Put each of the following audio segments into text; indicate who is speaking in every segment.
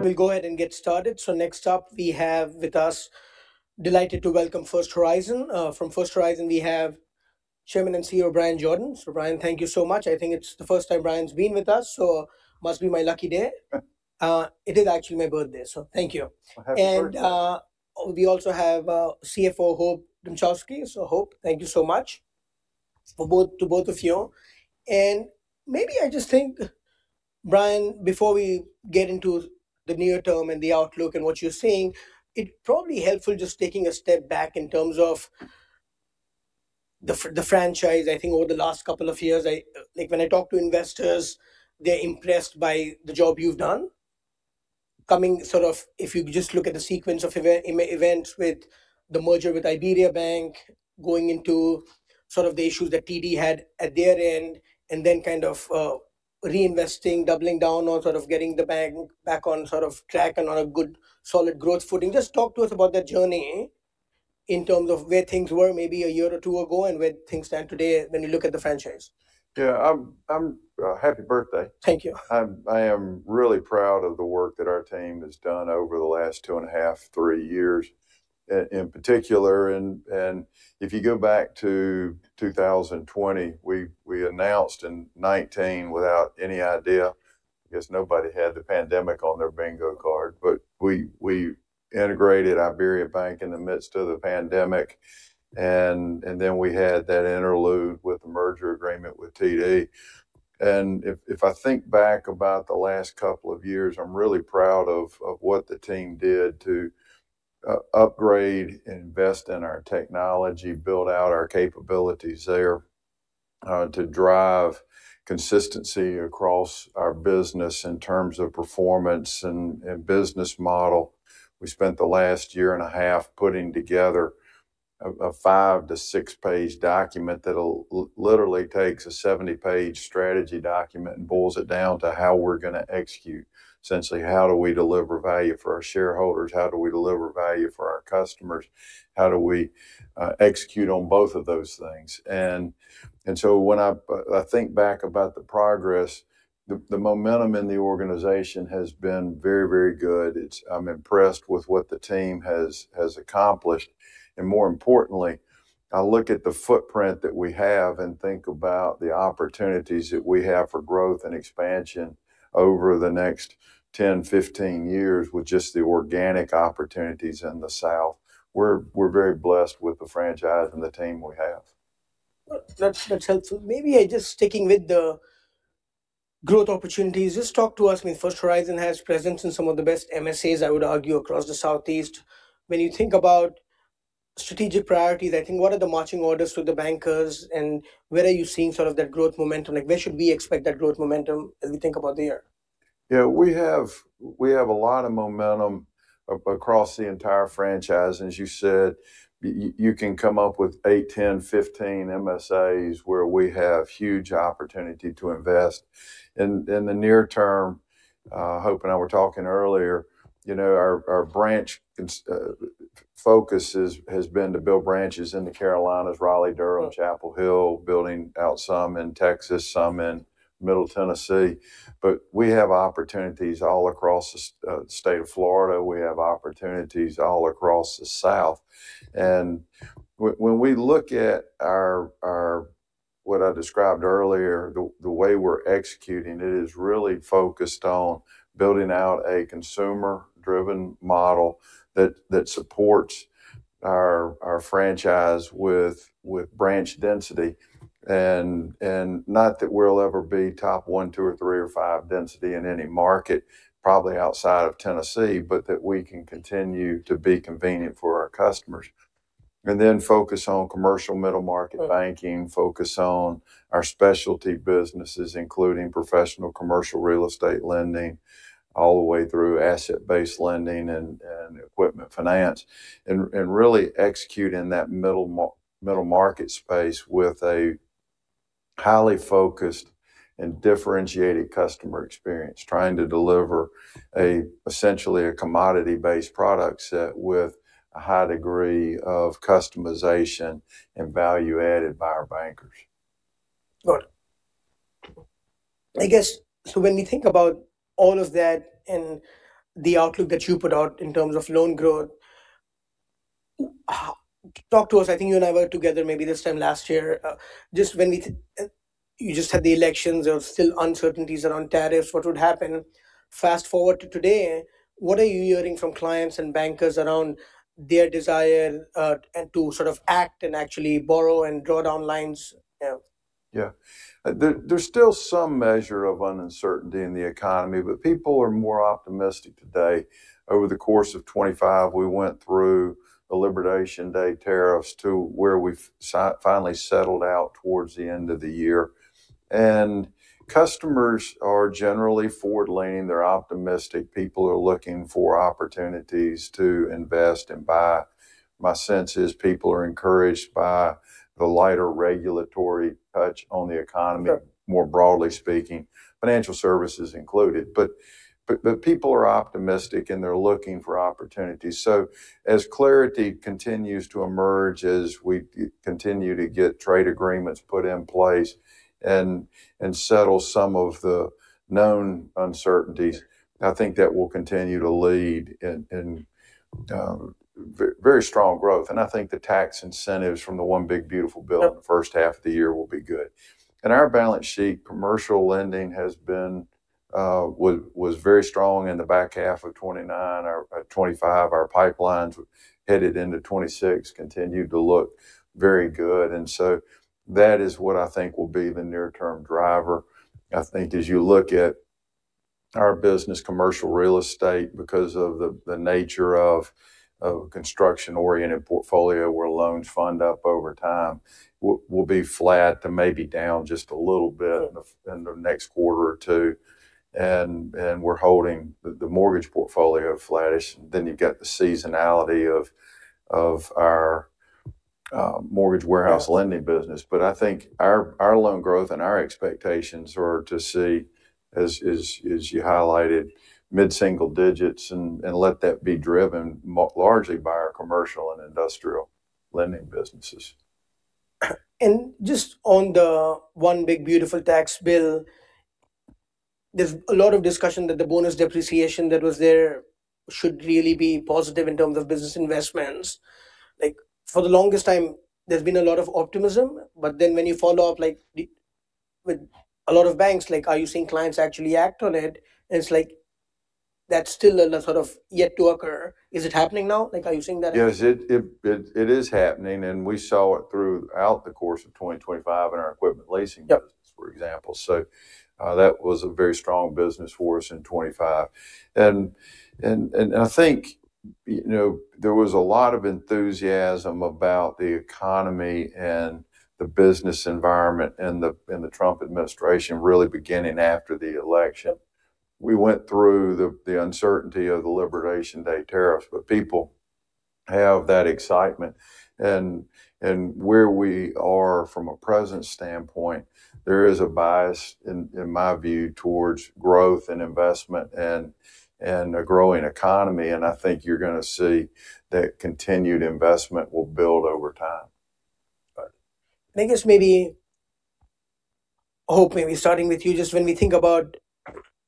Speaker 1: We'll go ahead and get started. So next up we have with us, delighted to welcome First Horizon. From First Horizon we have Chairman and CEO Bryan Jordan. So Bryan, thank you so much. I think it's the first time Bryan's been with us, so it must be my lucky day. It is actually my birthday, so thank you.
Speaker 2: I have your birthday.
Speaker 1: And we also have CFO Hope Dmuchowski. So Hope, thank you so much for both to both of you. And maybe I just think, Bryan, before we get into the newer term and the outlook and what you're seeing, it probably helpful just taking a step back in terms of the franchise. I think over the last couple of years, I like when I talk to investors, they're impressed by the job you've done. Coming sort of if you just look at the sequence of events with the merger with IBERIABANK, going into sort of the issues that TD had at their end, and then kind of reinvesting, doubling down on sort of getting the bank back on sort of track and on a good solid growth footing. Just talk to us about that journey in terms of where things were maybe a year or two ago and where things stand today when you look at the franchise.
Speaker 2: Yeah, I'm happy birthday.
Speaker 1: Thank you.
Speaker 2: I'm really proud of the work that our team has done over the last two and a half, three years in particular. If you go back to 2020, we announced in 2019 without any idea. I guess nobody had the pandemic on their bingo card, but we integrated IBERIABANK in the midst of the pandemic. Then we had that interlude with the merger agreement with TD. If I think back about the last couple of years, I'm really proud of what the team did to upgrade and invest in our technology, build out our capabilities there, to drive consistency across our business in terms of performance and business model. We spent the last year and a half putting together a five to six page document that literally takes a 70-page strategy document and boils it down to how we're going to execute. Essentially, how do we deliver value for our shareholders? How do we deliver value for our customers? How do we execute on both of those things? And so when I think back about the progress, the momentum in the organization has been very, very good. I'm impressed with what the team has accomplished. And more importantly, I look at the footprint that we have and think about the opportunities that we have for growth and expansion over the next 10, 15 years with just the organic opportunities in the South. We're very blessed with the franchise and the team we have.
Speaker 1: That's helpful. Maybe I just sticking with the growth opportunities, just talk to us. I mean, First Horizon has presence in some of the best MSAs, I would argue, across the Southeast. When you think about strategic priorities, I think what are the marching orders for the bankers and where are you seeing sort of that growth momentum? Like, where should we expect that growth momentum as we think about the year?
Speaker 2: Yeah, we have a lot of momentum across the entire franchise. As you said, you can come up with eight, 10, 15 MSAs where we have huge opportunity to invest. In the near term, Hope and I were talking earlier, you know, our branch focus has been to build branches in the Carolina, Raleigh, Durham, Chapel Hill, building out some in Texas, some in Middle Tennessee. But we have opportunities all across the state of Florida. We have opportunities all across the South. When we look at our what I described earlier, the way we're executing, it is really focused on building out a consumer driven model that supports our franchise with branch density. And not that we'll ever be top one, two, or three, or five density in any market, probably outside of Tennessee, but that we can continue to be convenient for our customers. Then focus on commercial middle-market banking, focus on our specialty businesses, including professional commercial real estate lending, all the way through asset-based lending and equipment finance. Really execute in that middle-market space with a highly focused and differentiated customer experience, trying to deliver essentially a commodity-based product set with a high degree of customization and value-added by our bankers.
Speaker 1: Got it. I guess, so when you think about all of that and the outlook that you put out in terms of loan growth, talk to us. I think you and I were together maybe this time last year. Just when you just had the elections, there were still uncertainties around tariffs. What would happen? Fast forward to today, what are you hearing from clients and bankers around their desire to sort of act and actually borrow and draw down lines?
Speaker 2: Yeah. There's still some measure of uncertainty in the economy, but people are more optimistic today. Over the course of 2025, we went through the Liberation Day tariffs to where we finally settled out towards the end of the year. And customers are generally forward leaning. They're optimistic. People are looking for opportunities to invest and buy. My sense is people are encouraged by the lighter regulatory touch on the economy, more broadly speaking, financial services included. But people are optimistic and they're looking for opportunities. So as clarity continues to emerge, as we continue to get trade agreements put in place and settle some of the known uncertainties, I think that will continue to lead in very strong growth. And I think the tax incentives from the One Big Beautiful Bill in the first half of the year will be good. Our balance sheet, commercial lending has been very strong in the back half of 2024, 2025. Our pipelines headed into 2026 continue to look very good. So that is what I think will be the near-term driver. I think as you look at our business, commercial real estate, because of the nature of a construction-oriented portfolio where loans fund up over time, will be flat to maybe down just a little bit in the next quarter or two. We're holding the mortgage portfolio flattish. You've got the seasonality of our mortgage warehouse lending business. I think our loan growth and our expectations are to see, as you highlighted, mid-single digits and let that be driven largely by our commercial and industrial lending businesses.
Speaker 1: Just on the One Big Beautiful Bill, there's a lot of discussion that the bonus depreciation that was there should really be positive in terms of business investments. Like, for the longest time, there's been a lot of optimism, but then when you follow up like with a lot of banks, like, are you seeing clients actually act on it? It's like, that's still a sort of yet to occur. Is it happening now? Like, are you seeing that?
Speaker 2: Yes, it is happening. We saw it throughout the course of 2025 in our equipment leasing business, for example. That was a very strong business for us in 2025. I think, you know, there was a lot of enthusiasm about the economy and the business environment in the Trump administration really beginning after the election. We went through the uncertainty of the Liberation Day tariffs, but people have that excitement. Where we are from a presence standpoint, there is a bias, in my view, towards growth and investment and a growing economy. I think you're going to see that continued investment will build over time.
Speaker 1: I guess maybe, Hope, maybe starting with you, just when we think about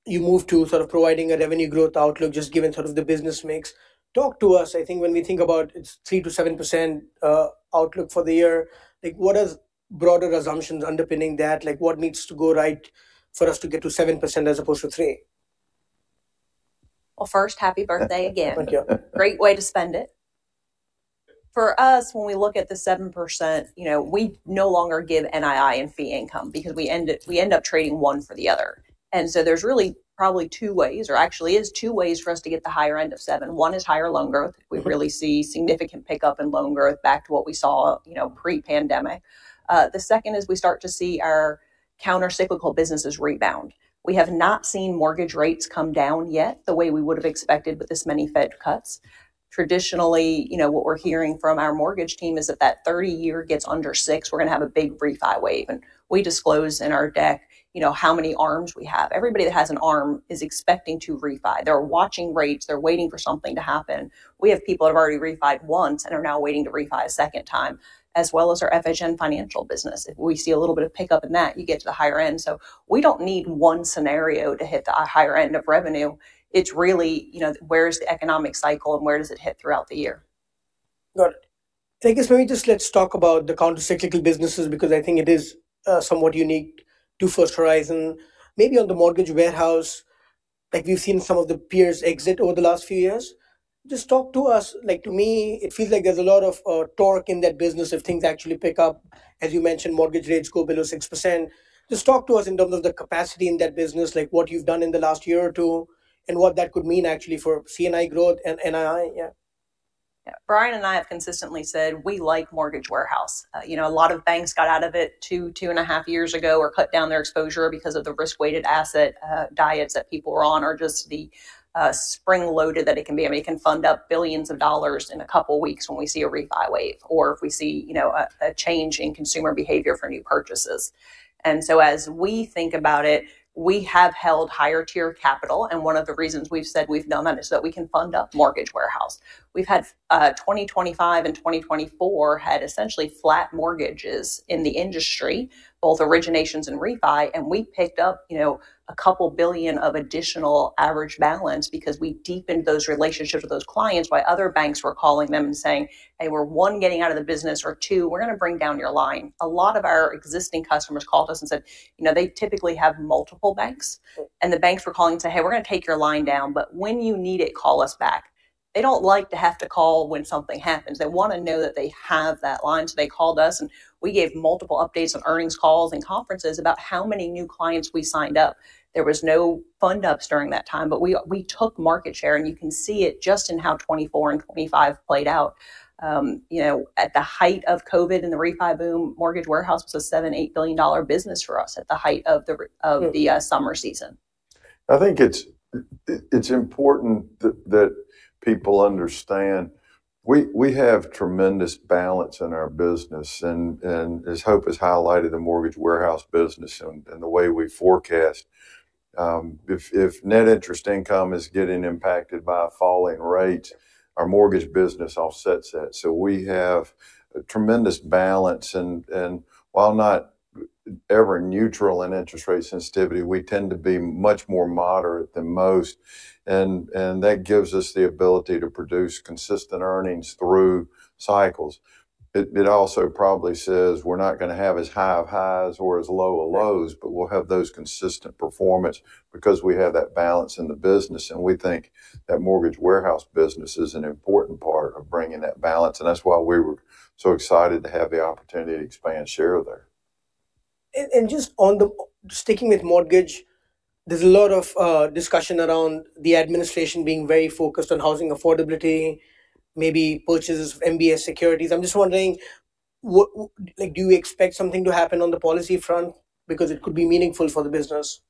Speaker 1: you move to sort of providing a revenue growth outlook, just given sort of the business mix, talk to us. I think when we think about it's 3%-7% outlook for the year, like, what are broader assumptions underpinning that? Like, what needs to go right for us to get to 7% as opposed to 3%?
Speaker 3: Well, first, happy birthday again. Great way to spend it. For us, when we look at the 7%, you know, we no longer give NII and fee income because we end up trading one for the other. And so there's really probably two ways, or actually is two ways for us to get the higher end of 7%. One is higher loan growth. We really see significant pickup in loan growth back to what we saw, you know, pre-pandemic. The second is we start to see our countercyclical businesses rebound. We have not seen mortgage rates come down yet the way we would have expected with this many Fed cuts. Traditionally, you know, what we're hearing from our mortgage team is that that 30-year gets under 6%, we're going to have a big refi wave. And we disclose in our deck, you know, how many ARMs we have. Everybody that has an ARM is expecting to refi. They're watching rates. They're waiting for something to happen. We have people that have already refi'd once and are now waiting to refi a second time, as well as our FHN Financial business. If we see a little bit of pickup in that, you get to the higher end. So we don't need one scenario to hit the higher end of revenue. It's really, you know, where's the economic cycle and where does it hit throughout the year?
Speaker 1: Got it. I guess maybe just let's talk about the countercyclical businesses because I think it is somewhat unique to First Horizon. Maybe on the mortgage warehouse, like we've seen some of the peers exit over the last few years. Just talk to us. Like, to me, it feels like there's a lot of torque in that business if things actually pick up. As you mentioned, mortgage rates go below 6%. Just talk to us in terms of the capacity in that business, like what you've done in the last year or two and what that could mean actually for C&I growth and NII.
Speaker 3: Bryan and I have consistently said we like mortgage warehouse. You know, a lot of banks got out of it two, two and a half years ago or cut down their exposure because of the risk weighted asset diets that people were on or just the spring loaded that it can be. I mean, it can fund up billions of dollars in a couple of weeks when we see a refi wave or if we see, you know, a change in consumer behavior for new purchases. And so as we think about it, we have held higher tier capital. And one of the reasons we've said we've done that is so that we can fund up mortgage warehouse. We've had 2025 and 2024 had essentially flat mortgages in the industry, both originations and refi. We picked up, you know, $2 billion of additional average balance because we deepened those relationships with those clients while other banks were calling them and saying, "Hey, we're one, getting out of the business," or, "Two, we're going to bring down your line." A lot of our existing customers called us and said, you know, they typically have multiple banks. And the banks were calling and saying, "Hey, we're going to take your line down, but when you need it, call us back." They don't like to have to call when something happens. They want to know that they have that line. So they called us and we gave multiple updates on earnings calls and conferences about how many new clients we signed up. There was no fund ups during that time, but we took market share. You can see it just in how 2024 and 2025 played out. You know, at the height of COVID and the refi boom, mortgage warehouse was a $7 billion-$8 billion business for us at the height of the summer season.
Speaker 2: I think it's important that people understand we have tremendous balance in our business. And as Hope has highlighted, the mortgage warehouse business and the way we forecast, if net interest income is getting impacted by falling rates, our mortgage business offsets that. So we have a tremendous balance. And while not ever neutral in interest rate sensitivity, we tend to be much more moderate than most. And that gives us the ability to produce consistent earnings through cycles. It also probably says we're not going to have as high of highs or as low of lows, but we'll have those consistent performance because we have that balance in the business. And we think that mortgage warehouse business is an important part of bringing that balance. And that's why we were so excited to have the opportunity to expand share there.
Speaker 1: Just on the sticking with mortgage, there's a lot of discussion around the administration being very focused on housing affordability, maybe purchases of MBS securities. I'm just wondering, like, do you expect something to happen on the policy front because it could be meaningful for the business?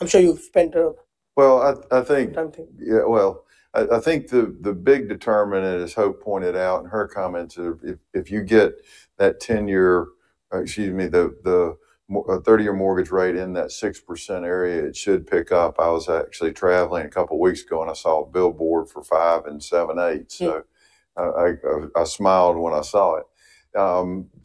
Speaker 1: I'm sure you've spent a...
Speaker 2: Well, I think...
Speaker 1: Time thing.
Speaker 2: Yeah, well, I think the big determinant, as Hope pointed out in her comments, if you get that 10-year, excuse me, the 30-year mortgage rate in that 6% area, it should pick up. I was actually traveling a couple of weeks ago and I saw a billboard for 5 7/8. So I smiled when I saw it.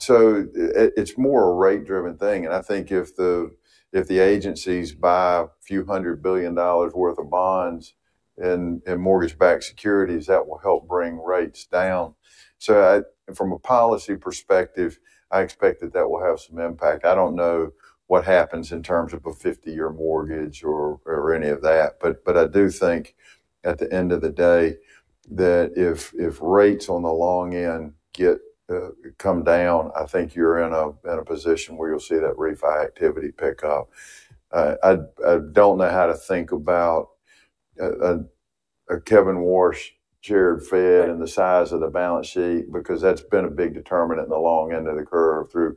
Speaker 2: So it's more a rate driven thing. And I think if the agencies buy a few hundred billion dollars worth of bonds and mortgage-backed securities, that will help bring rates down. So from a policy perspective, I expect that that will have some impact. I don't know what happens in terms of a 50-year mortgage or any of that. But I do think at the end of the day that if rates on the long end come down, I think you're in a position where you'll see that refi activity pick up. I don't know how to think about a Kevin Warsh chaired Fed and the size of the balance sheet because that's been a big determinant in the long end of the curve through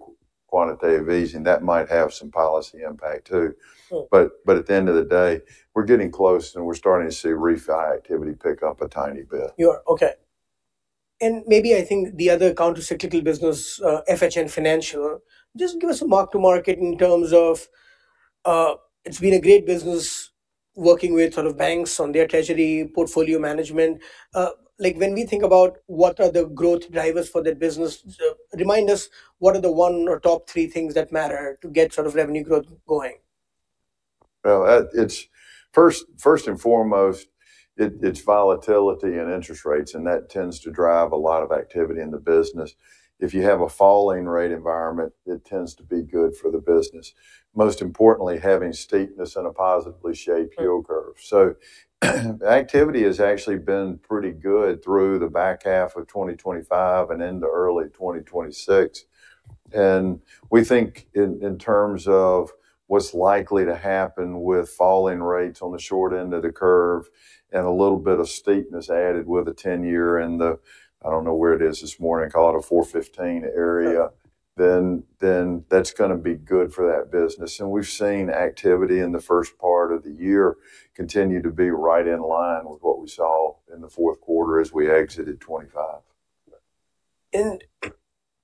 Speaker 2: quantitative easing. That might have some policy impact too. But at the end of the day, we're getting close and we're starting to see refi activity pick up a tiny bit.
Speaker 1: You are. Okay. And maybe I think the other countercyclical business, FHN Financial, just give us a mark to market in terms of it's been a great business working with sort of banks on their treasury portfolio management. Like, when we think about what are the growth drivers for that business, remind us what are the one or top three things that matter to get sort of revenue growth going?
Speaker 2: Well, it's first and foremost, it's volatility and interest rates. And that tends to drive a lot of activity in the business. If you have a falling rate environment, it tends to be good for the business. Most importantly, having steepness and a positively shaped yield curve. So activity has actually been pretty good through the back half of 2025 and into early 2026. And we think in terms of what's likely to happen with falling rates on the short end of the curve and a little bit of steepness added with a 10-year and the, I don't know where it is this morning, call it a 4.15% area, then that's going to be good for that business. And we've seen activity in the first part of the year continue to be right in line with what we saw in the fourth quarter as we exited 2025.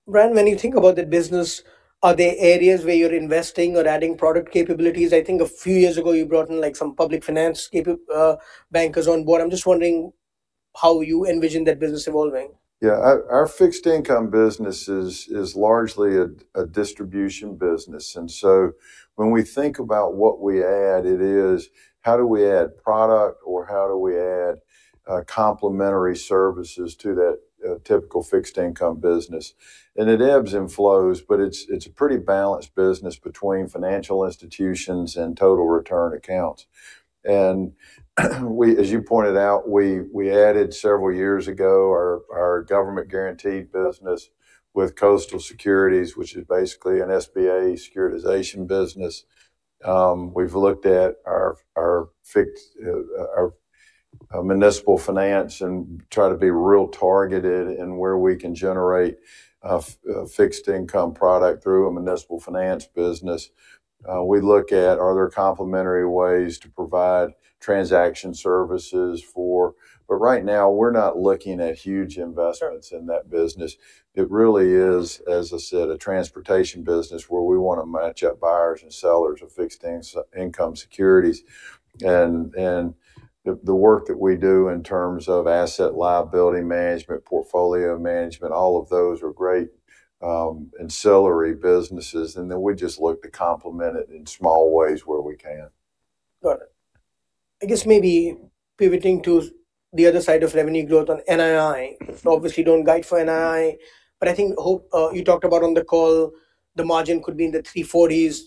Speaker 1: Ryan, when you think about that business, are there areas where you're investing or adding product capabilities? I think a few years ago you brought in like some public finance bankers on board. I'm just wondering how you envision that business evolving.
Speaker 2: Yeah, our fixed income business is largely a distribution business. And so when we think about what we add, it is how do we add product or how do we add complementary services to that typical fixed income business? And it ebbs and flows, but it's a pretty balanced business between financial institutions and total return accounts. And as you pointed out, we added several years ago our government guaranteed business with Coastal Securities, which is basically an SBA securitization business. We've looked at our municipal finance and tried to be real targeted in where we can generate fixed income product through a municipal finance business. We look at are there complementary ways to provide transaction services for, but right now we're not looking at huge investments in that business. It really is, as I said, a transportation business where we want to match up buyers and sellers of fixed income securities. The work that we do in terms of asset liability management, portfolio management, all of those are great ancillary businesses. Then we just look to complement it in small ways where we can.
Speaker 1: Got it. I guess maybe pivoting to the other side of revenue growth on NII. Obviously, don't guide for NII, but I think, Hope, you talked about on the call, the margin could be in the 340s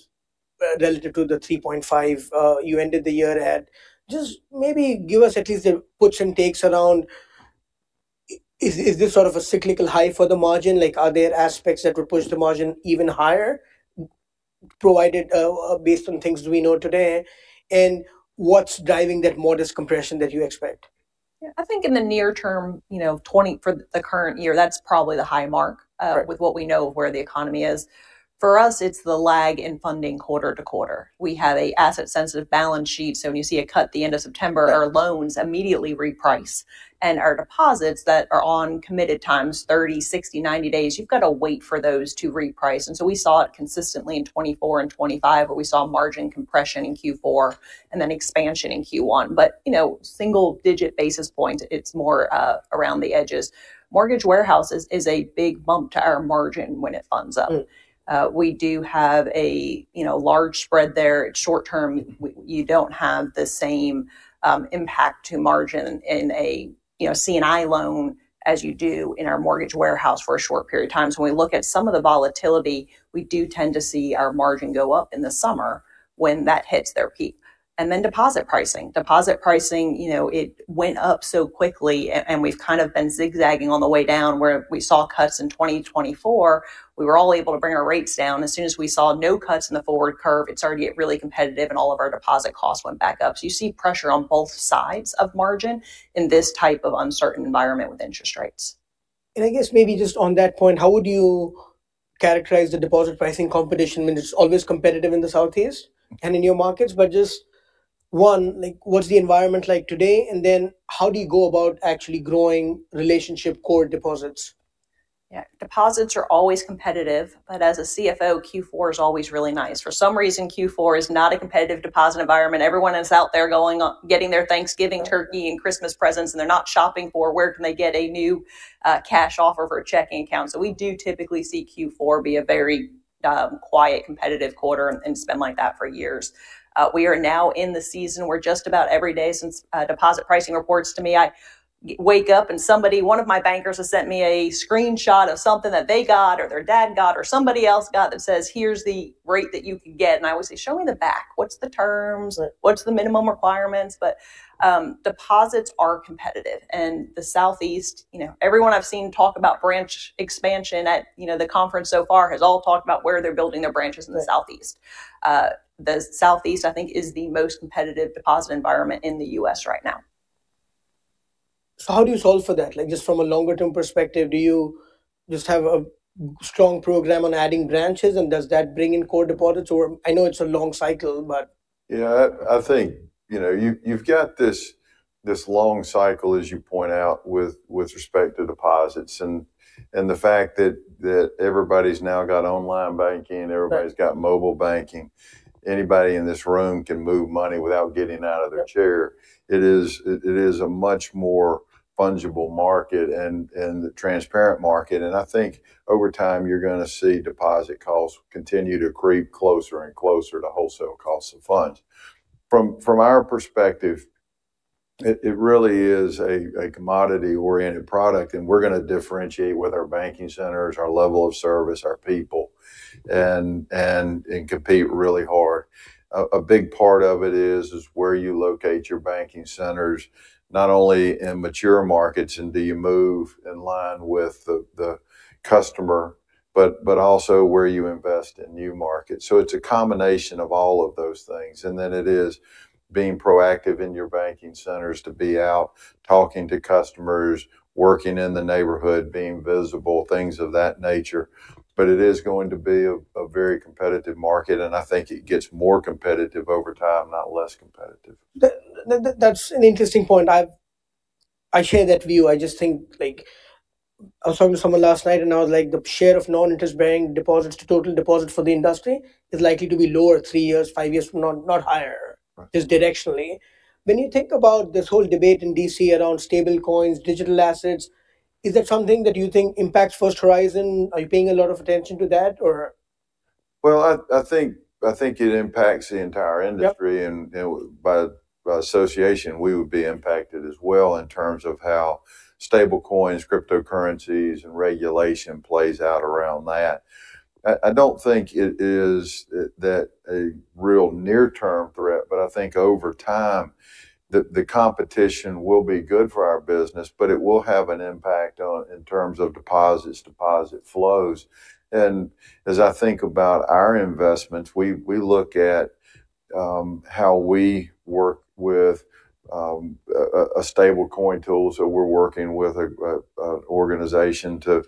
Speaker 1: relative to the 3.5% you ended the year at. Just maybe give us at least the puts and takes around. Is this sort of a cyclical high for the margin? Like, are there aspects that would push the margin even higher provided based on things we know today? And what's driving that modest compression that you expect?
Speaker 3: Yeah, I think in the near term, you know, for the current year, that's probably the high mark with what we know of where the economy is. For us, it's the lag in funding quarter to quarter. We have an asset sensitive balance sheet. So when you see a cut the end of September, our loans immediately reprice. And our deposits that are on committed times, 30, 60, 90 days, you've got to wait for those to reprice. And so we saw it consistently in 2024 and 2025 where we saw margin compression in Q4 and then expansion in Q1. But, you know, single digit basis points, it's more around the edges. Mortgage warehouses is a big bump to our margin when it funds up. We do have a, you know, large spread there. Short-term, you don't have the same impact to margin in a, you know, C&I loan as you do in our mortgage warehouse for a short period of time. So when we look at some of the volatility, we do tend to see our margin go up in the summer when that hits their peak. And then deposit pricing. Deposit pricing, you know, it went up so quickly and we've kind of been zigzagging on the way down where we saw cuts in 2024. We were all able to bring our rates down. As soon as we saw no cuts in the forward curve, it started to get really competitive and all of our deposit costs went back up. So you see pressure on both sides of margin in this type of uncertain environment with interest rates.
Speaker 1: I guess maybe just on that point, how would you characterize the deposit pricing competition when it's always competitive in the Southeast and in your markets? Just one, like, what's the environment like today? Then how do you go about actually growing relationship core deposits?
Speaker 3: Yeah, deposits are always competitive, but as a CFO, Q4 is always really nice. For some reason, Q4 is not a competitive deposit environment. Everyone is out there getting their Thanksgiving turkey and Christmas presents and they're not shopping for where can they get a new cash offer for a checking account. So we do typically see Q4 be a very quiet competitive quarter and spend like that for years. We are now in the season where just about every day since deposit pricing reports to me, I wake up and somebody, one of my bankers has sent me a screenshot of something that they got or their dad got or somebody else got that says, "Here's the rate that you can get." And I always say, "Show me the back. What's the terms? What's the minimum requirements?" But deposits are competitive. The Southeast, you know, everyone I've seen talk about branch expansion at, you know, the conference so far has all talked about where they're building their branches in the Southeast. The Southeast, I think, is the most competitive deposit environment in the U.S. right now.
Speaker 1: How do you solve for that? Like, just from a longer term perspective, do you just have a strong program on adding branches and does that bring in core deposits? Or I know it's a long cycle, but...
Speaker 2: Yeah, I think, you know, you've got this long cycle as you point out with respect to deposits and the fact that everybody's now got online banking, everybody's got mobile banking. Anybody in this room can move money without getting out of their chair. It is a much more fungible market and transparent market. And I think over time you're going to see deposit costs continue to creep closer and closer to wholesale costs of funds. From our perspective, it really is a commodity oriented product. And we're going to differentiate with our banking centers, our level of service, our people and compete really hard. A big part of it is where you locate your banking centers, not only in mature markets and do you move in line with the customer, but also where you invest in new markets. So it's a combination of all of those things. And then it is being proactive in your banking centers to be out talking to customers, working in the neighborhood, being visible, things of that nature. But it is going to be a very competitive market. And I think it gets more competitive over time, not less competitive.
Speaker 1: That's an interesting point. I share that view. I just think, like, I was talking to someone last night and I was like, the share of non-interest bearing deposits to total deposit for the industry is likely to be lower three years, five years, not higher just directionally. When you think about this whole debate in D.C. around stable coins, digital assets, is that something that you think impacts First Horizon? Are you paying a lot of attention to that or...
Speaker 2: Well, I think it impacts the entire industry. And by association, we would be impacted as well in terms of how stable coins, cryptocurrencies and regulation plays out around that. I don't think it is that a real near-term threat, but I think over time the competition will be good for our business, but it will have an impact in terms of deposits, deposit flows. And as I think about our investments, we look at how we work with a stable coin tool. So we're working with an organization to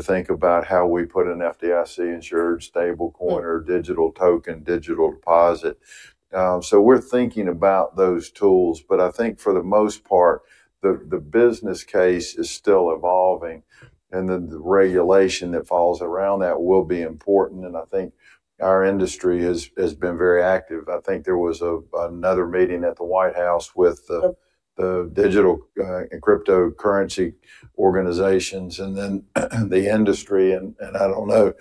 Speaker 2: think about how we put an FDIC-insured stablecoin or digital token, digital deposit. So we're thinking about those tools. But I think for the most part, the business case is still evolving. And then the regulation that falls around that will be important. And I think our industry has been very active. I think there was another meeting at the White House with the digital and cryptocurrency organizations and then the industry. I don't know.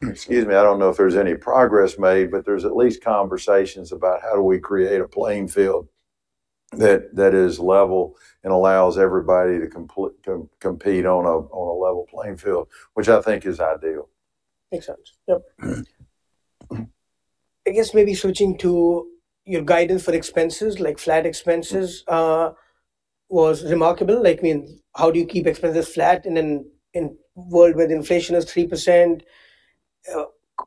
Speaker 2: Excuse me. I don't know if there's any progress made, but there's at least conversations about how do we create a playing field that is level and allows everybody to compete on a level playing field, which I think is ideal.
Speaker 1: Makes sense. Yep. I guess maybe switching to your guidance for expenses, like flat expenses was remarkable. Like, I mean, how do you keep expenses flat in a world where the inflation is 3%?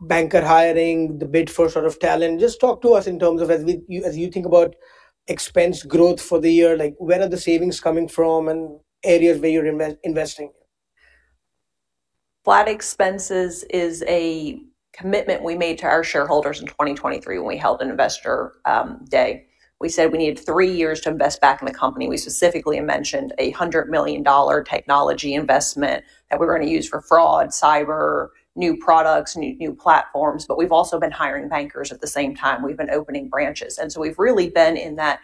Speaker 1: Banker hiring, the bid for sort of talent. Just talk to us in terms of as you think about expense growth for the year, like where are the savings coming from and areas where you're investing?
Speaker 3: Flat expenses is a commitment we made to our shareholders in 2023 when we held an investor day. We said we needed three years to invest back in the company. We specifically mentioned a $100 million technology investment that we were going to use for fraud, cyber, new products, new platforms. But we've also been hiring bankers at the same time. We've been opening branches. And so we've really been in that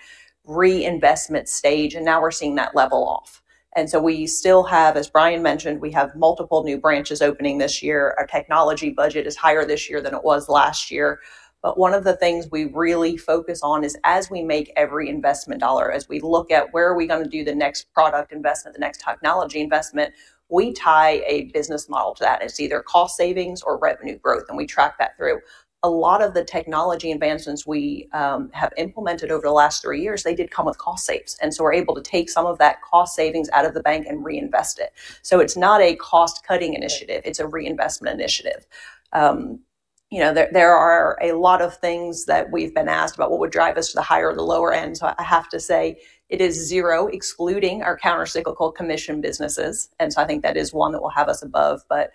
Speaker 3: reinvestment stage. And now we're seeing that level off. And so we still have, as Bryan mentioned, we have multiple new branches opening this year. Our technology budget is higher this year than it was last year. But one of the things we really focus on is as we make every investment dollar, as we look at where are we going to do the next product investment, the next technology investment, we tie a business model to that. It's either cost savings or revenue growth. We track that through a lot of the technology advancements we have implemented over the last three years. They did come with cost saves. So we're able to take some of that cost savings out of the bank and reinvest it. It's not a cost cutting initiative. It's a reinvestment initiative. You know, there are a lot of things that we've been asked about what would drive us to the higher or the lower end. So I have to say it is zero, excluding our countercyclical commission businesses. And so I think that is one that will have us above. But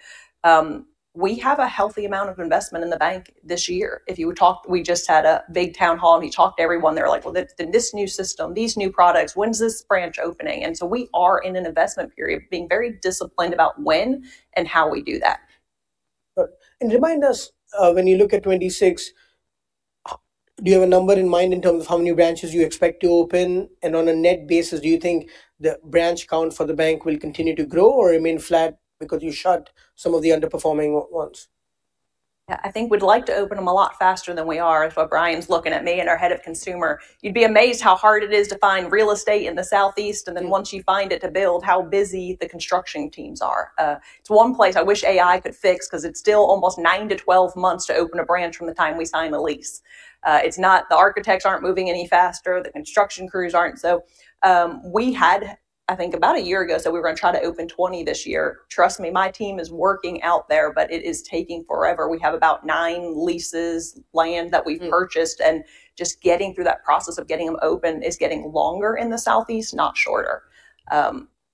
Speaker 3: we have a healthy amount of investment in the bank this year. If you would talk, we just had a big town hall and we talked to everyone. They were like, well, then this new system, these new products, when's this branch opening? And so we are in an investment period being very disciplined about when and how we do that.
Speaker 1: Remind us, when you look at 2026, do you have a number in mind in terms of how many branches you expect to open? And on a net basis, do you think the branch count for the bank will continue to grow or remain flat because you shut some of the underperforming ones?
Speaker 3: Yeah, I think we'd like to open them a lot faster than we are. That's why Bryan's looking at me and our head of consumer. You'd be amazed how hard it is to find real estate in the Southeast. And then once you find it to build, how busy the construction teams are. It's one place I wish AI could fix because it's still almost 9-12 months to open a branch from the time we sign the lease. It's not, the architects aren't moving any faster. The construction crews aren't. So we had, I think, about a year ago, said we were going to try to open 20 this year. Trust me, my team is working out there, but it is taking forever. We have about nine leases land that we've purchased. Just getting through that process of getting them open is getting longer in the Southeast, not shorter.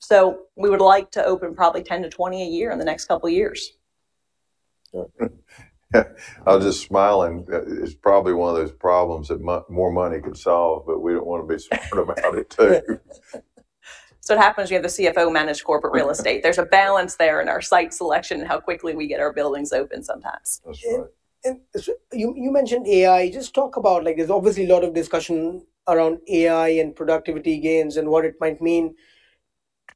Speaker 3: So we would like to open probably 10-20 a year in the next couple of years.
Speaker 2: Yeah. I'll just smile and it's probably one of those problems that more money could solve, but we don't want to be smart about it too.
Speaker 3: It happens you have the CFO manage corporate real estate. There's a balance there in our site selection and how quickly we get our buildings open sometimes.
Speaker 1: You mentioned AI. Just talk about, like, there's obviously a lot of discussion around AI and productivity gains and what it might mean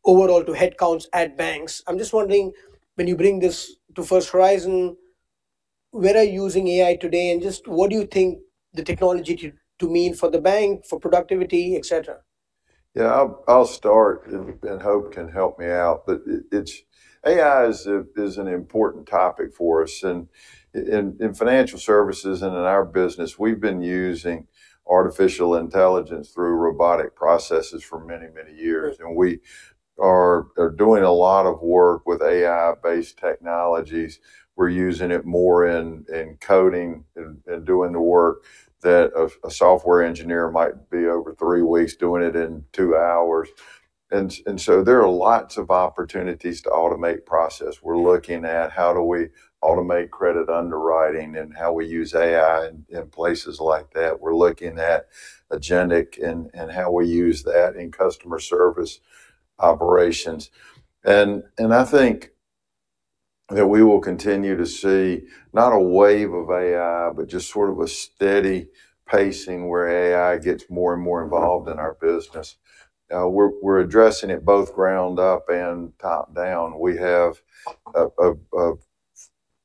Speaker 1: overall to headcounts at banks. I'm just wondering, when you bring this to First Horizon, where are you using AI today? Just what do you think the technology to mean for the bank, for productivity, etc.?
Speaker 2: Yeah, I'll start and Hope can help me out. But AI is an important topic for us. And in financial services and in our business, we've been using artificial intelligence through robotic processes for many, many years. And we are doing a lot of work with AI-based technologies. We're using it more in coding and doing the work that a software engineer might be over three weeks doing it in two hours. And so there are lots of opportunities to automate process. We're looking at how do we automate credit underwriting and how we use AI in places like that. We're looking at agentic and how we use that in customer service operations. And I think that we will continue to see not a wave of AI, but just sort of a steady pacing where AI gets more and more involved in our business. We're addressing it both ground up and top down. We have a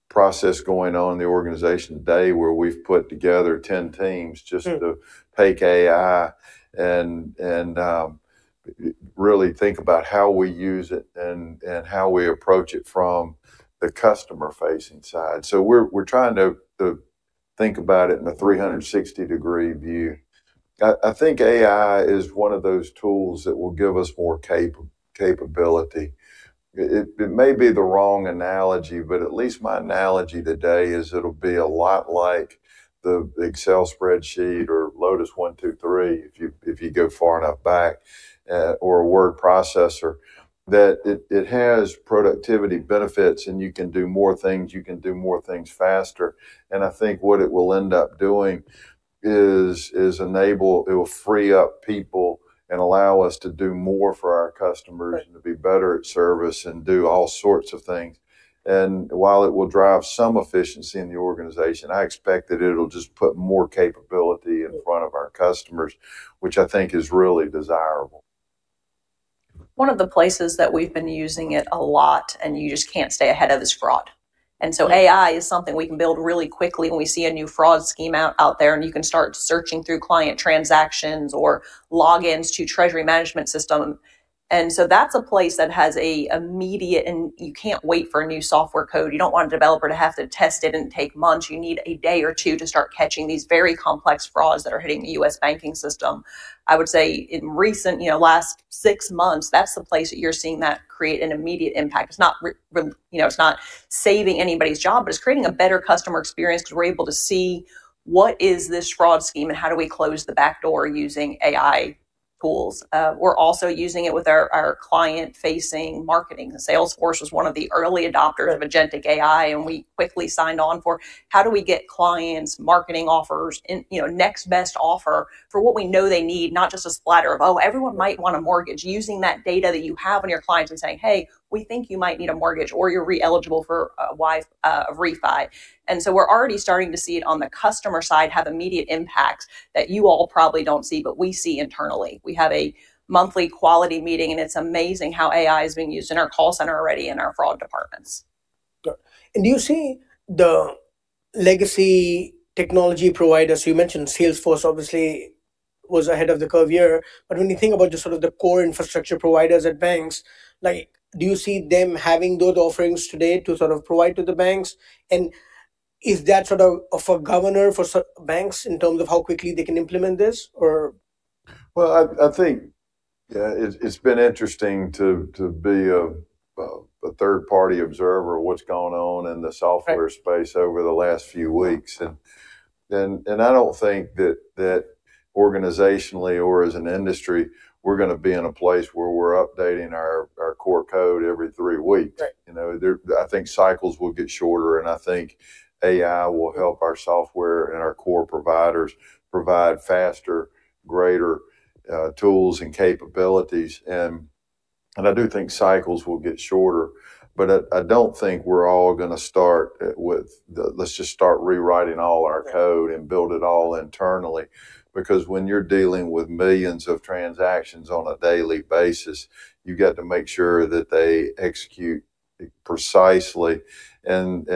Speaker 2: process going on in the organization today where we've put together 10 teams just to take AI and really think about how we use it and how we approach it from the customer-facing side. So we're trying to think about it in a 360-degree view. I think AI is one of those tools that will give us more capability. It may be the wrong analogy, but at least my analogy today is it'll be a lot like the Excel spreadsheet or Lotus 1-2-3 if you go far enough back or a word processor that it has productivity benefits and you can do more things. You can do more things faster. And I think what it will end up doing is enable, it will free up people and allow us to do more for our customers and to be better at service and do all sorts of things. And while it will drive some efficiency in the organization, I expect that it'll just put more capability in front of our customers, which I think is really desirable.
Speaker 3: One of the places that we've been using it a lot and you just can't stay ahead of is fraud. And so AI is something we can build really quickly when we see a new fraud scheme out there and you can start searching through client transactions or logins to treasury management system. And so that's a place that has an immediate, and you can't wait for a new software code. You don't want a developer to have to test it and take months. You need a day or two to start catching these very complex frauds that are hitting the U.S. banking system. I would say in recent, you know, last six months, that's the place that you're seeing that create an immediate impact. It's not, you know, it's not saving anybody's job, but it's creating a better customer experience because we're able to see what is this fraud scheme and how do we close the backdoor using AI tools. We're also using it with our client-facing marketing. Salesforce was one of the early adopters of agentic AI and we quickly signed on for how do we get clients marketing offers, you know, next best offer for what we know they need, not just a splatter of, oh, everyone might want a mortgage using that data that you have on your clients and saying, hey, we think you might need a mortgage or you're re-eligible for a refi. So we're already starting to see it on the customer side have immediate impacts that you all probably don't see, but we see internally. We have a monthly quality meeting and it's amazing how AI is being used in our call center already and our fraud departments.
Speaker 1: Do you see the legacy technology providers? You mentioned Salesforce, obviously, was ahead of the curve here. But when you think about just sort of the core infrastructure providers at banks, like, do you see them having those offerings today to sort of provide to the banks? And is that sort of a governor for banks in terms of how quickly they can implement this or...
Speaker 2: Well, I think, yeah, it's been interesting to be a third-party observer of what's going on in the software space over the last few weeks. And I don't think that organizationally or as an industry, we're going to be in a place where we're updating our core code every three weeks. You know, I think cycles will get shorter and I think AI will help our software and our core providers provide faster, greater tools and capabilities. And I do think cycles will get shorter. But I don't think we're all going to start with, let's just start rewriting all our code and build it all internally. Because when you're dealing with millions of transactions on a daily basis, you've got to make sure that they execute precisely. And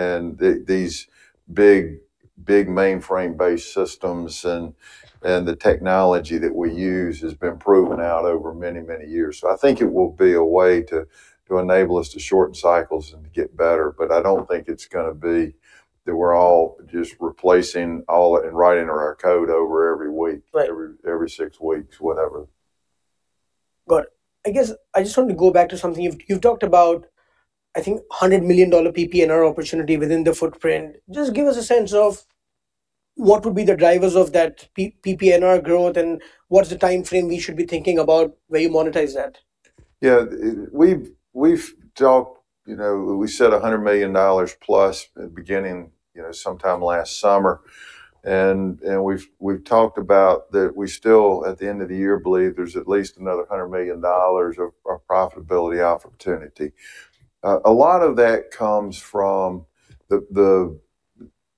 Speaker 2: these big, big mainframe-based systems and the technology that we use has been proven out over many, many years. I think it will be a way to enable us to shorten cycles and to get better. But I don't think it's going to be that we're all just replacing all it and writing our code over every week, every six weeks, whatever.
Speaker 1: Got it. I guess I just wanted to go back to something. You've talked about, I think, $100 million PPNR opportunity within the footprint. Just give us a sense of what would be the drivers of that PPNR growth and what's the timeframe we should be thinking about where you monetize that?
Speaker 2: Yeah, we've talked, you know, we set $100 million plus beginning, you know, sometime last summer. We've talked about that we still, at the end of the year, believe there's at least another $100 million of profitability opportunity. A lot of that comes from the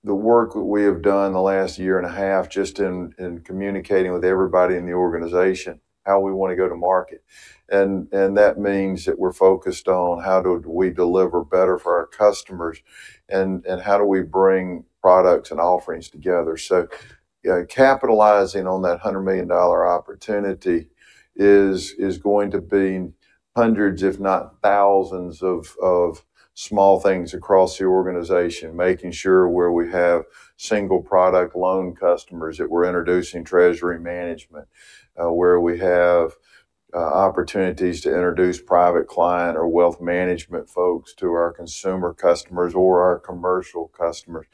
Speaker 2: work that we have done the last year and a half just in communicating with everybody in the organization, how we want to go to market. That means that we're focused on how do we deliver better for our customers and how do we bring products and offerings together. So capitalizing on that $100 million opportunity is going to be hundreds, if not thousands of small things across the organization, making sure where we have single product loan customers that we're introducing treasury management, where we have opportunities to introduce private client or wealth management folks to our consumer customers or our commercial customers,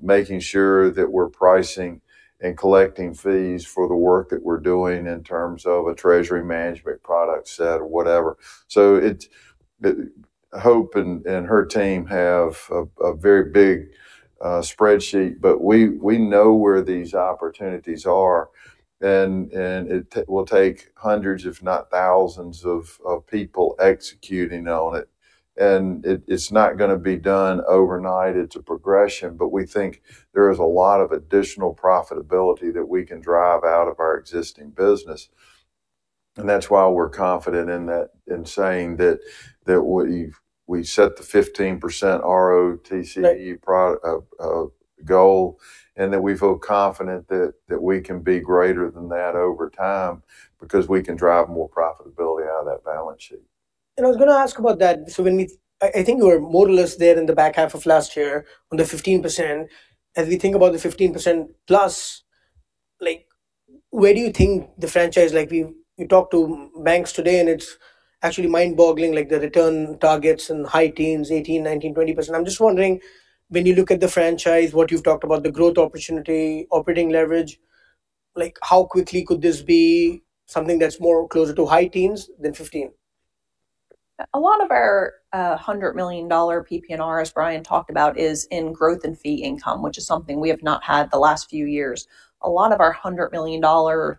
Speaker 2: making sure that we're pricing and collecting fees for the work that we're doing in terms of a treasury management product set or whatever. So Hope and her team have a very big spreadsheet, but we know where these opportunities are. And it will take hundreds, if not thousands of people executing on it. And it's not going to be done overnight. It's a progression. But we think there is a lot of additional profitability that we can drive out of our existing business. That's why we're confident in saying that we set the 15% ROTCE goal and that we feel confident that we can be greater than that over time because we can drive more profitability out of that balance sheet.
Speaker 1: I was going to ask about that. When we, I think you were more or less there in the back half of last year on the 15%. As we think about the 15%+, like, where do you think the franchise, like, we talked to banks today and it's actually mind-boggling, like the return targets and high teens, 18, 19, 20%. I'm just wondering, when you look at the franchise, what you've talked about, the growth opportunity, operating leverage, like, how quickly could this be something that's more closer to high teens than 15%?
Speaker 3: A lot of our $100 million PPNR, as Bryan talked about, is in growth and fee income, which is something we have not had the last few years. A lot of our $100 million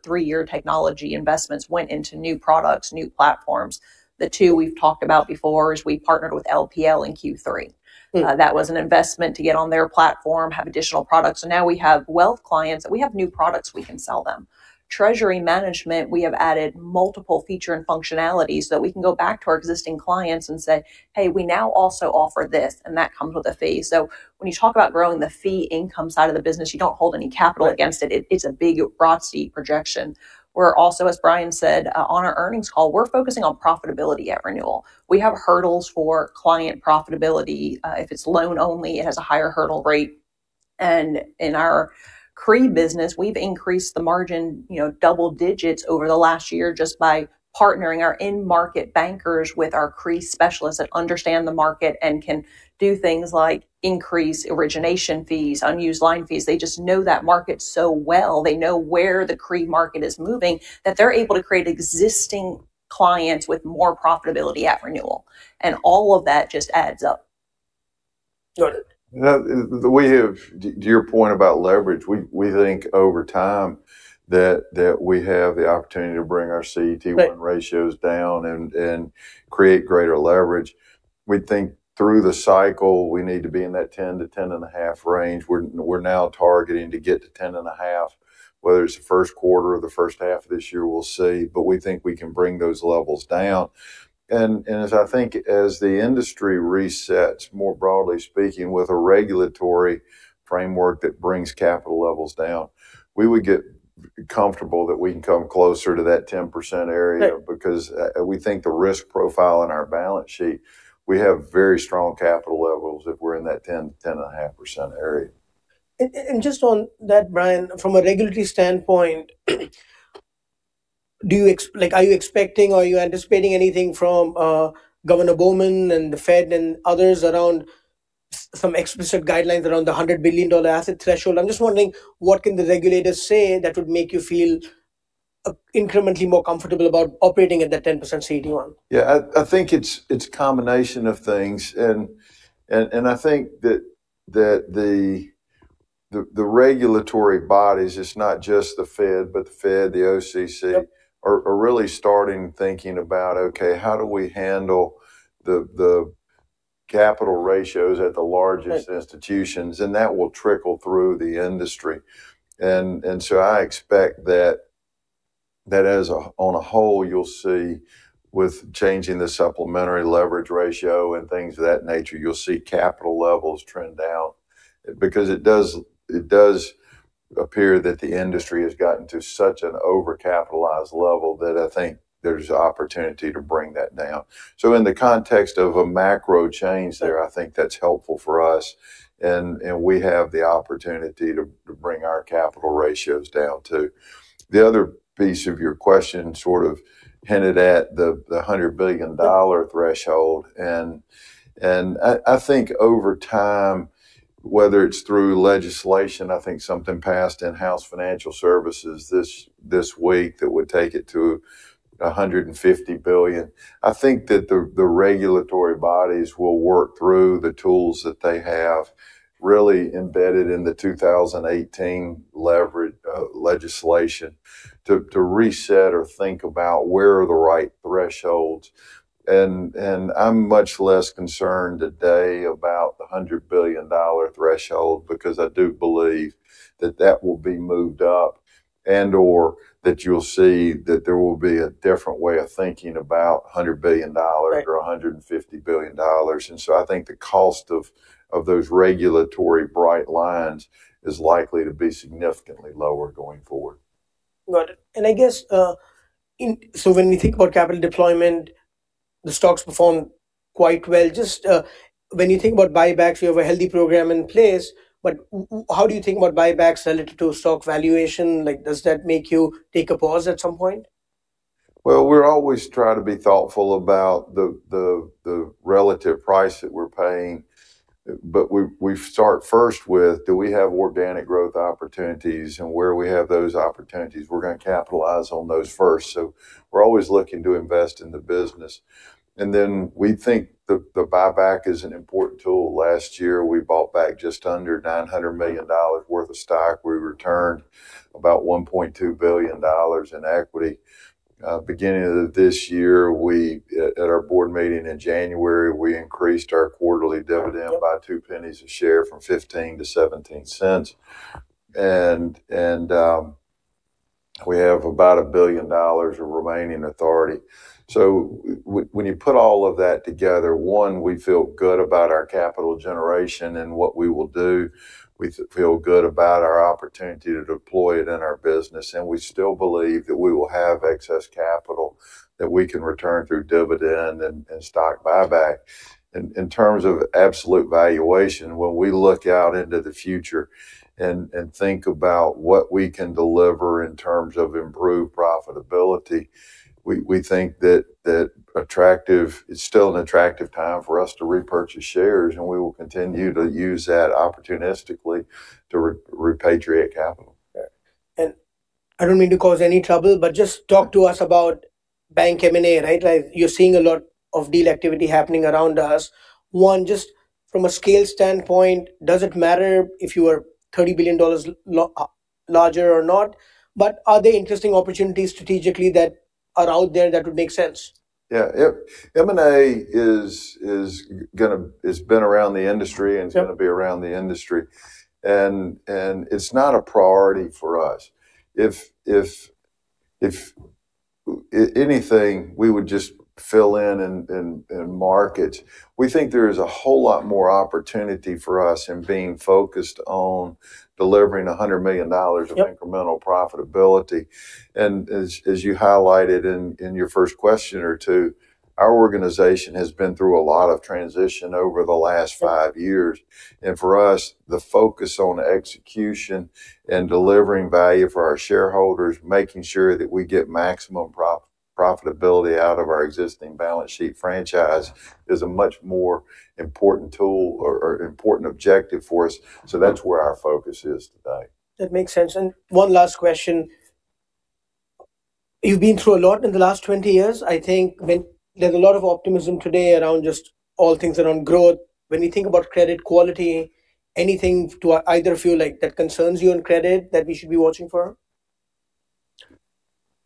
Speaker 3: three-year technology investments went into new products, new platforms. The two we've talked about before is we partnered with LPL in Q3. That was an investment to get on their platform, have additional products. And now we have wealth clients that we have new products we can sell them. Treasury Management, we have added multiple feature and functionalities that we can go back to our existing clients and say, hey, we now also offer this and that comes with a fee. So when you talk about growing the fee income side of the business, you don't hold any capital against it. It's a big ROTCE projection. We're also, as Bryan said, on our earnings call, we're focusing on profitability at renewal. We have hurdles for client profitability. If it's loan only, it has a higher hurdle rate. And in our CRE business, we've increased the margin, you know, double digits over the last year just by partnering our in-market bankers with our CRE specialists that understand the market and can do things like increase origination fees, unused line fees. They just know that market so well. They know where the CRE market is moving that they're able to create existing clients with more profitability at renewal. And all of that just adds up.
Speaker 1: Got it.
Speaker 2: We have, to your point about leverage, we think over time that we have the opportunity to bring our CET1 ratios down and create greater leverage. We think through the cycle, we need to be in that 10%-10.5% range. We're now targeting to get to 10.5%, whether it's the first quarter or the first half of this year, we'll see. But we think we can bring those levels down. And as I think as the industry resets, more broadly speaking, with a regulatory framework that brings capital levels down, we would get comfortable that we can come closer to that 10% area because we think the risk profile in our balance sheet, we have very strong capital levels if we're in that 10%-10.5% area.
Speaker 1: And just on that, Bryan, from a regulatory standpoint, do you, like, are you expecting or are you anticipating anything from Governor Bowman and the Fed and others around some explicit guidelines around the $100 billion asset threshold? I'm just wondering, what can the regulators say that would make you feel incrementally more comfortable about operating at that 10% CET1?
Speaker 2: Yeah, I think it's a combination of things. I think that the regulatory bodies, it's not just the Fed, but the Fed, the OCC are really starting thinking about, okay, how do we handle the capital ratios at the largest institutions? And that will trickle through the industry. So I expect that as a whole, you'll see with changing the supplementary leverage ratio and things of that nature, you'll see capital levels trend down because it does appear that the industry has gotten to such an over-capitalized level that I think there's opportunity to bring that down. So in the context of a macro change there, I think that's helpful for us. And we have the opportunity to bring our capital ratios down too. The other piece of your question sort of hinted at the $100 billion threshold. I think over time, whether it's through legislation, I think something passed in House Financial Services this week that would take it to $150 billion. I think that the regulatory bodies will work through the tools that they have really embedded in the 2018 leverage legislation to reset or think about where are the right thresholds. And I'm much less concerned today about the $100 billion threshold because I do believe that that will be moved up and/or that you'll see that there will be a different way of thinking about $100 billion or $150 billion. And so I think the cost of those regulatory bright lines is likely to be significantly lower going forward.
Speaker 1: Got it. And I guess, so when we think about capital deployment, the stocks perform quite well. Just when you think about buybacks, you have a healthy program in place. But how do you think about buybacks related to stock valuation? Like, does that make you take a pause at some point?
Speaker 2: Well, we're always trying to be thoughtful about the relative price that we're paying. But we start first with, do we have organic growth opportunities and where we have those opportunities? We're going to capitalize on those first. So we're always looking to invest in the business. And then we think the buyback is an important tool. Last year, we bought back just under $900 million worth of stock. We returned about $1.2 billion in equity. Beginning of this year, at our board meeting in January, we increased our quarterly dividend by $0.02 a share from $0.15 to $0.17. And we have about $1 billion of remaining authority. So when you put all of that together, one, we feel good about our capital generation and what we will do. We feel good about our opportunity to deploy it in our business. We still believe that we will have excess capital that we can return through dividend and stock buyback. In terms of absolute valuation, when we look out into the future and think about what we can deliver in terms of improved profitability, we think that it's still an attractive time for us to repurchase shares. We will continue to use that opportunistically to repatriate capital.
Speaker 1: Okay. And I don't mean to cause any trouble, but just talk to us about bank M&A, right? You're seeing a lot of deal activity happening around us. One, just from a scale standpoint, does it matter if you are $30 billion larger or not? But are there interesting opportunities strategically that are out there that would make sense?
Speaker 2: Yeah, yeah. M&A has been around the industry and is going to be around the industry. It's not a priority for us. If anything, we would just fill in and mark it. We think there is a whole lot more opportunity for us in being focused on delivering $100 million of incremental profitability. As you highlighted in your first question or two, our organization has been through a lot of transition over the last five years. For us, the focus on execution and delivering value for our shareholders, making sure that we get maximum profitability out of our existing balance sheet franchise is a much more important tool or important objective for us. So that's where our focus is today.
Speaker 1: That makes sense. One last question. You've been through a lot in the last 20 years. I think there's a lot of optimism today around just all things around growth. When you think about credit quality, anything to either of you that concerns you in credit that we should be watching for?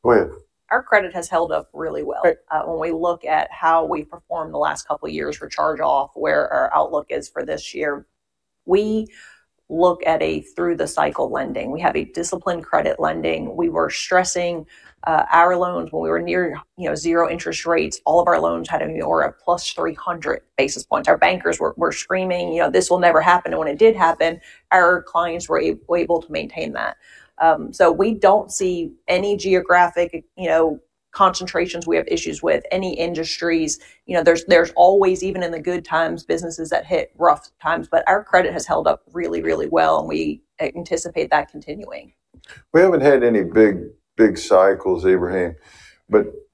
Speaker 2: Go ahead.
Speaker 3: Our credit has held up really well. When we look at how we performed the last couple of years for charge-off, where our outlook is for this year, we look at a through-the-cycle lending. We have a disciplined credit lending. We were stressing our loans when we were near, you know, zero interest rates. All of our loans had an EOR of plus 300 basis points. Our bankers were screaming, you know, this will never happen. And when it did happen, our clients were able to maintain that. So we don't see any geographic, you know, concentrations we have issues with, any industries. You know, there's always, even in the good times, businesses that hit rough times. But our credit has held up really, really well. And we anticipate that continuing.
Speaker 2: We haven't had any big, big cycles, Mihir.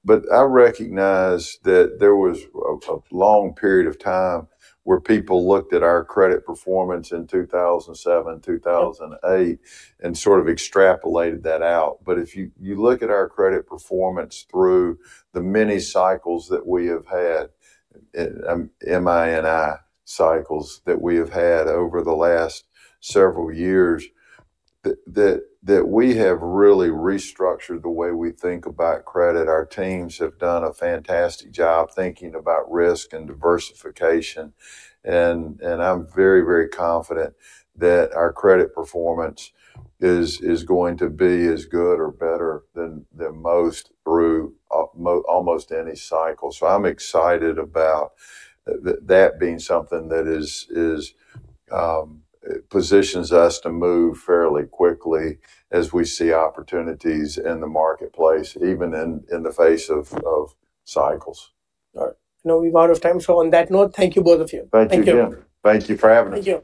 Speaker 2: But I recognize that there was a long period of time where people looked at our credit performance in 2007, 2008, and sort of extrapolated that out. But if you look at our credit performance through the many cycles that we have had, mini cycles that we have had over the last several years, that we have really restructured the way we think about credit. Our teams have done a fantastic job thinking about risk and diversification. And I'm very, very confident that our credit performance is going to be as good or better than most through almost any cycle. So I'm excited about that being something that positions us to move fairly quickly as we see opportunities in the marketplace, even in the face of cycles.
Speaker 1: All right. I know we've run out of time. On that note, thank you both of you.
Speaker 2: Thank you, Mihir. Thank you for having us.
Speaker 1: Thank you.